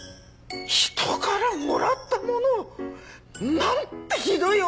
人からもらったものをなんてひどい女！